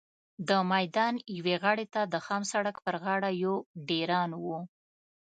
د میدان یوې غاړې ته د خام سړک پر غاړه یو ډېران و.